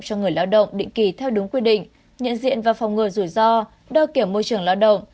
cho người lao động định kỳ theo đúng quy định nhận diện và phòng ngừa rủi ro đo kiểm môi trường lao động